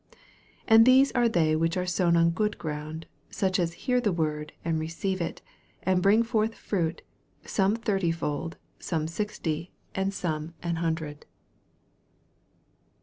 20 And these are they which are sown on good ground ; such ad hear the word, and receive it, and bring forth fruit, some thirty fold, some sixty, and some an hundred.